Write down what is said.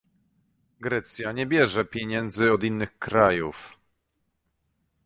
Grecja nie bierze pieniędzy od innych krajów